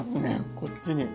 こっちに。